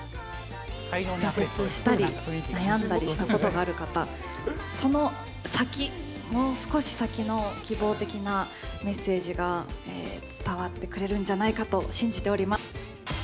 挫折したり、悩んだりしたことがある方、その先、もう少し先の希望的なメッセージが伝わってくれるんじゃないかと信じております。